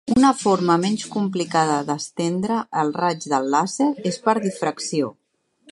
Una forma menys complicada d'estendre el raig del làser és per difracció.